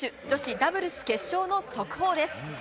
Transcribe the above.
女子ダブルス決勝の速報です。